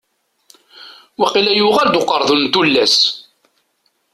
Waqila yuɣal-d uqerdun n tullas?